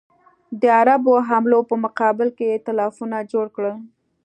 د عربو حملو په مقابل کې ایتلافونه جوړ کړل.